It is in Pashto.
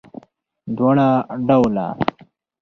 دواړه ډوله